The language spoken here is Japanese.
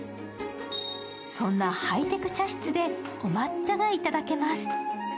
そんなハイテク茶室でお抹茶がいただけます。